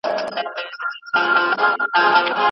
تر یادونو مي خاونده مړه یاران ولي راځي